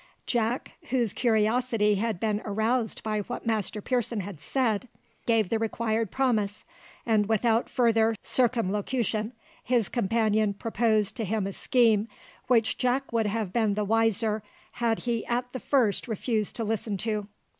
Jack, whose curiosity had been aroused by what Master Pearson had said, gave the required promise, and without further circumlocution his companion proposed to him a scheme which Jack would have been the wiser had he at the first refused to listen to.